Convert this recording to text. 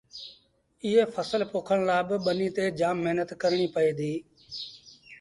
ايئي ڦسل پوکڻ لآ با ٻنيٚ تي جآم مهنت ڪرڻيٚ پئي ديٚ۔